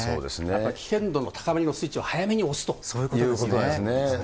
ー危険度の高まりのスイッチを早めに押すということですね。